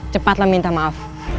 cepatlah minta maaf